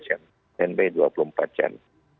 cnb dua puluh empat jan